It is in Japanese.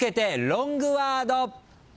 ロングワード。